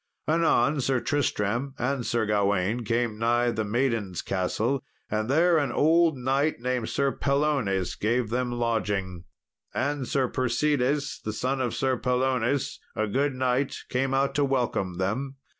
Anon Sir Tristram and Sir Gawain came nigh the Maiden's Castle, and there an old knight named Sir Pellonnes gave them lodging. And Sir Persides, the son of Sir Pellonnes, a good knight, came out to welcome them.